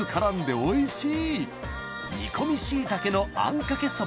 おいしい！